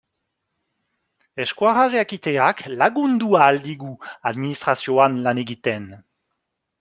Euskara jakiteak lagundu ahal digu administrazioan lan egiten.